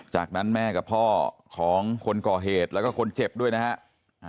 จากนั้นแม่กับพ่อของคนก่อเหตุแล้วก็คนเจ็บด้วยนะฮะ